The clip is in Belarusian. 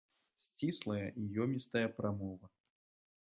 Сціслая і ёмістая прамова.